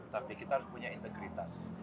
tapi kita harus punya integritas